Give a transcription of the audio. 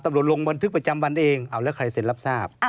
ตำรวจลงบันทึกประจำวันเองแล้วใครเสร็จรับทราบ